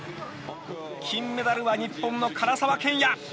金メダルは、日本の唐澤剣也！